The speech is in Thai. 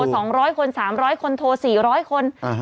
โทร๒๐๐คน๓๐๐คนโทร๔๐๐คน